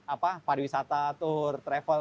apa pariwisata tour travel